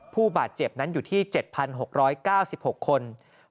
ผู้บาดเจ็บนั้นอยู่ที่๗๖๙๖คน